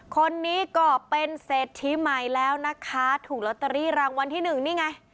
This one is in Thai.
คนนี้ก็เป็นเศรษฐีใหม่แล้วนะคะถูกลอตเตอรี่รางวัลที่หนึ่งนี่ไง